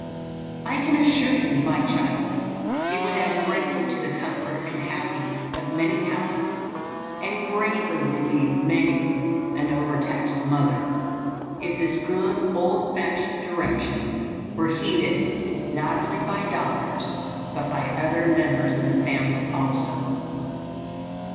I can assure you, my child, it would add greatly to the comfort and happiness of many houses, and greatly relieve many an overtaxed mother, if this good old fashioned direction were heeded not only by daughters but by other members of the family also.